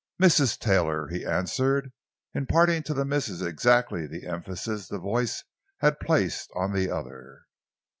"Mrs. Taylor," he answered, imparting to the "Mrs." exactly the emphasis the voice had placed on the other.